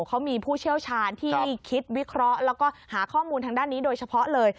เขามีผู้เชี่ยวชาญที่คิดวิเคราะห์แล้วก็หาข้อมูลทางด้านนี้โดยเฉพาะเลย